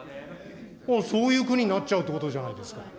そういう国になっちゃうってことじゃないですか。